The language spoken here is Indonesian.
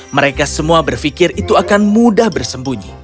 mereka semua berpikir itu akan mudah bersembunyi